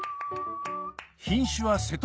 品種は瀬戸